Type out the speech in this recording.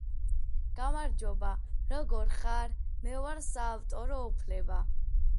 გამარჯობა, როგორ ხარ ? მე ვარ საავტორო უფლება